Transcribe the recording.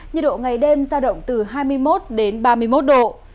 nhiệt độ ngày đêm giao động từ hai mươi một đến ba mươi một độ